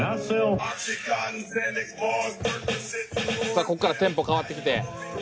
さあここからテンポ変わってきて。